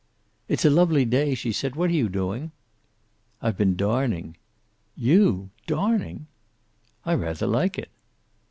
"It's a lovely day," she said. "What are you doing?" "I've been darning." "You! Darning!" "I rather like it."